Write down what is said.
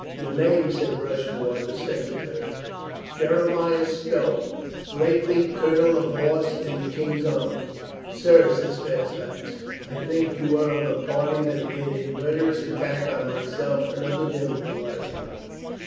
"Your name," said Rushworth, the secretary. ROYSTON DELIVERS HIS SOUL 425 "Jeremiah Stow, lately Colonel of Horse in the King's army." "Sir," says Fairfax, "I think you were of a party that made a murderous attack on myself and other gentlemen last night